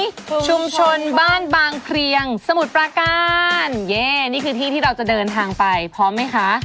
ชุมชนบ้านบางเพลียงสมุทรปราการเย่นี่คือที่ที่เราจะเดินทางไปพร้อมไหมคะ